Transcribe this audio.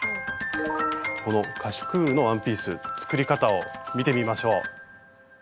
このカシュクールのワンピース作り方を見てみましょう。